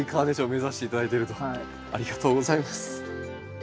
ありがとうございます。